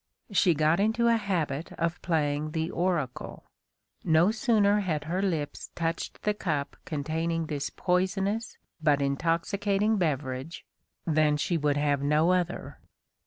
She got into a habit of playing the oracle. No sooner had her lips touched the cup containing this poisonous but intoxicating beverage than she would have no other.